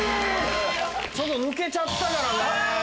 ちょっと抜けちゃったからね。